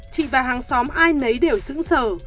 chị và hàng xóm ai nấy đều sững sờ